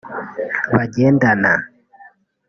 bagendana